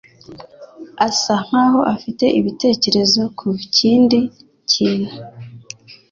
asa nkaho afite ibitekerezo ku kindi kintu.